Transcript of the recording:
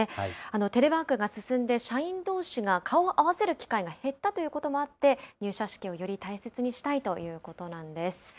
テレワークが進んで、社員どうしが顔を合わせる機会が減ったということもあって、入社式をより大切にしたいということなんです。